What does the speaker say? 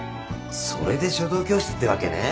それで書道教室ってわけね。